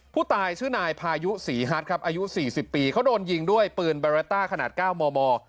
ผู้ตายชื่อนายพายุศรีฮัทครับอายุ๔๐ปีเขาโดนยิงด้วยปืนบาราต้าขนาด๙มม